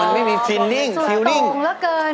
เลยเราพูดธรรมดาสิลูก